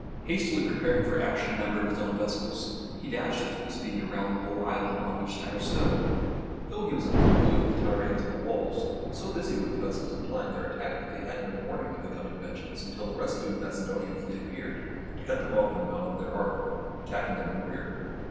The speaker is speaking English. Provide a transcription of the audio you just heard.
Hastily preparing for action a number of his own vessels, he dashed at full speed around the whole island on which Tyre stood. Though he was THE BOOK OF FAMOUS SIEGES in full view of the Tyrians on the walls, so busy were the vessels in plying their attack, that they had no warning of the coming vengeance until the rescuing Macedonian fleet appeared, to cut them off from the mouth of their harbour, attacking them in the rear.